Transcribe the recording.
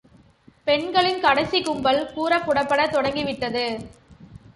பெண்களின் கடைசிக் கும்பல் கூடப் புறப்படத் தொடங்கி விட்டது.